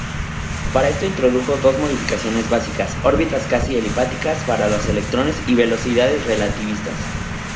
Para eso introdujo dos modificaciones básicas: Órbitas casi-elípticas para los electrones y velocidades relativistas.